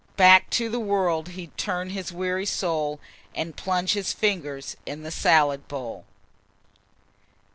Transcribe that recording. Back to the world he'd turn his weary soul, And plunge his fingers in the salad bowl."